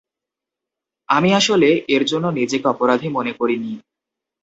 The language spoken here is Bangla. আমি আসলে এরজন্য নিজেকে অপরাধী মনে করিনি।